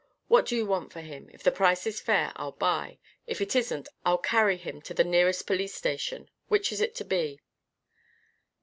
What do you want for him? If the price is fair, I'll buy. If it isn't, I'll carry him to the nearest police station. Which is it to be?"